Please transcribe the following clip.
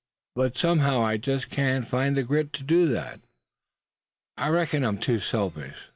But somehow I just can't find the grit to do that. I reckon, suh, I'm too selfish.